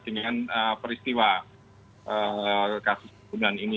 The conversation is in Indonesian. dengan peristiwa kasus pembunuhan ini